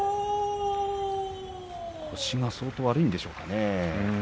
腰が相当悪いんでしょうかね？